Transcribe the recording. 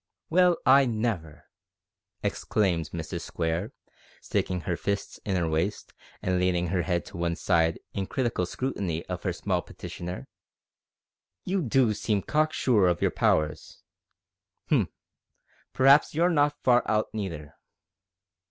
"Well I never!" exclaimed Mrs Square, sticking her fists in her waist and leaning her head to one side in critical scrutiny of her small petitioner. "You do seem cock sure o' your powers. H'm! p'r'aps you're not far out neither.